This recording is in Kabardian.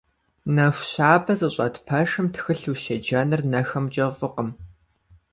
Нэху щабэ зыщӏэт пэшым тхылъ ущеджэныр нэхэмкӏэ фӏыкъым.